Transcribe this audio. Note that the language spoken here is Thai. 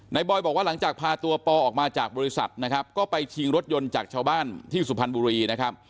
บอยบอกว่าหลังจากพาตัวปอออกมาจากบริษัทนะครับก็ไปชิงรถยนต์จากชาวบ้านที่สุพรรณบุรีนะครับ